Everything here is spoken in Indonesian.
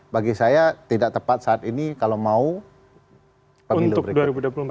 bagi saya tidak tepat saat ini kalau mau pemilu berikutnya